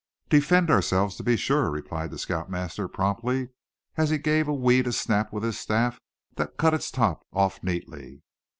"Defend ourselves, to be sure," replied the scout master, promptly, as he gave a weed a snap with his staff that cut its top off neatly.